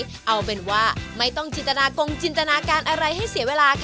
เราขยับมาดูที่น้ำซุปกันต่อดีกว่าค่ะ